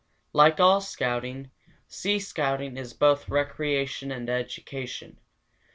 Like all scouting, sea scouting is both recreation and education.